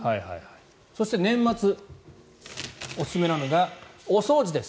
そして年末おすすめなのがお掃除です。